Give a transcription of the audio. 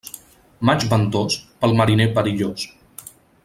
Maig ventós, pel mariner perillós.